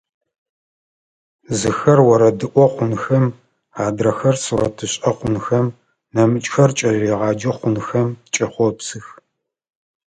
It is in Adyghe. Зыхэр орэдыӀо хъунхэм, адрэхэр сурэтышӀэ хъунхэм, нэмыкӀхэр кӀэлэегъаджэ хъунхэм кӀэхъопсых.